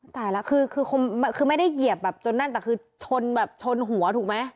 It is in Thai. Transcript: ตายแล้วคือไม่ได้เหยียบแบบจนนั่นแต่คือชนแบบชนหัวถูกไหม